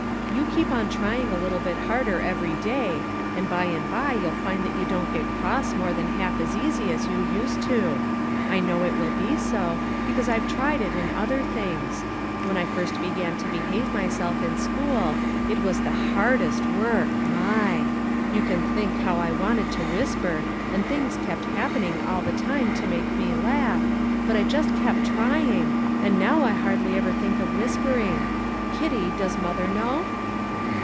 You keep on trying a little bit harder every day, and by and by you'll find that you don't get cross more than half as easy as you used to. I know it will be so, because I've tried it in other things: when I first began to behave myself in school, it was the hardest work my! You can think how I wanted to whisper, and things kept happening all the time to make me laugh, but I just kept trying, and now I hardly ever think of whispering. Kitty, does mother know?"